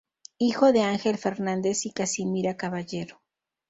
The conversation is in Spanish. Hijo de Ángel Fernández y Casimira Caballero.